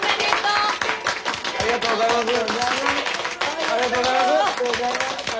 ありがとうございます。